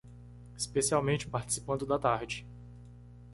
Especialmente participando da tarde